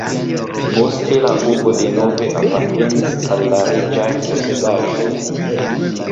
Poste la urbo denove apartenis al la reĝaj posedaĵoj.